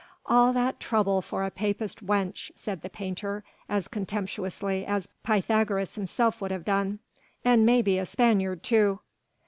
"All that trouble for a Papist wench," said the painter as contemptuously as Pythagoras himself would have done, "and maybe a Spaniard too."